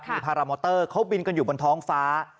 มีพารามอเตอร์เขาบินกันอยู่บนท้องฟ้า